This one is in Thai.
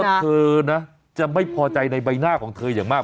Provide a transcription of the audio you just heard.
เธอนะจะไม่พอใจในใบหน้าของเธออย่างมาก